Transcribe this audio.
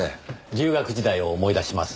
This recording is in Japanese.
留学時代を思い出します。